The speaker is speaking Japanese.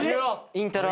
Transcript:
イントロ。